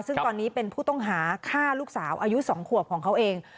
ซึ่งตอนนี้เป็นผู้ต้องหาฆ่าลูกสาวอายุ๒ขวบของเขาเอง